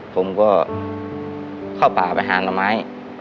ผมก็เข้าป่าไปหาหน่อไม้